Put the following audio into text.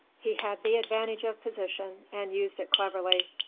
He had the advantage of position and used it cleverly.